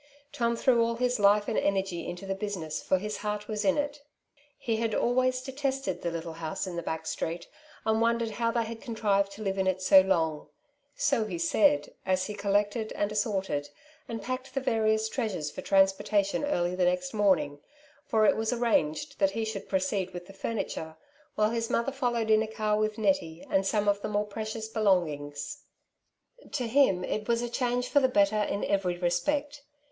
Tom threw all his life and energy into the business, for his heart was in it. '' He had always detested the little house in the back street, and^ wondered how they had contrived to live in it so long," so he said, as he collected, and assorted, and packed the various treasures for transportation early the next morning, for it was arranged that he should proceed with the furniture, while his mother followed in a car with Nettie and some of the more precious belongings. To him it was a change for the better in every respect.